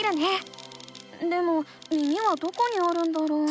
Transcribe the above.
でも耳はどこにあるんだろう？